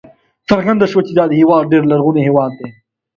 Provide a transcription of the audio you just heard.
څرګنده شوه چې دا هېواد ډېر لرغونی هېواد دی.